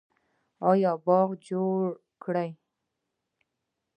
آیا باغ جوړ کړو؟